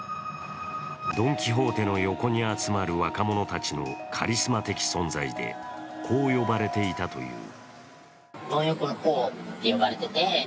ドン・キホーテの横に集まる若者たちのカリスマ的存在でこう呼ばれていたという。